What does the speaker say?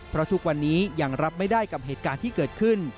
เพราะทุกวันนี้ยังรับไม่ได้กับเหตุการณ์ที่เกิดขึ้น